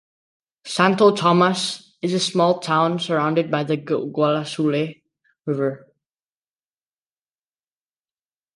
Santo Tomas is a small town surrounded by the Guasaule river.